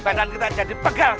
badan kita jadi pegal